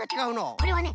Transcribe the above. これはね